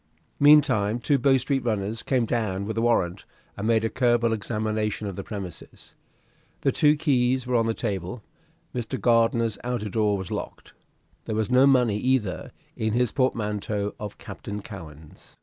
Meantime two Bow Street runners came down with a warrant, and made a careful examination of the premises. The two keys were on the table. Mr. Gardiner's outer door was locked. There was no money either in his portmanteau of Captain Cowen's.